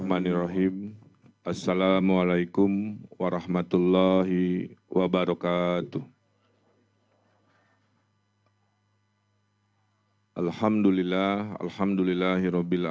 assalamu alaikum warahmatullahi wabarakatuh